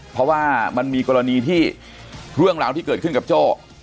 เพราะว่ามันมีกรณีที่เรื่องราวที่เกิดขึ้นกับโจ้